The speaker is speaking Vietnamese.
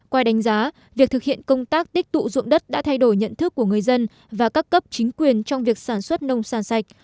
qua đánh giá việc thực hiện công tác tích tụ dụng đất đã thay đổi nhận thức của người dân và các cấp chính quyền trong việc sản xuất nông sản sạch